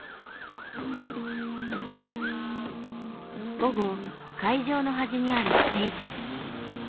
午後会場の端にあるステージ。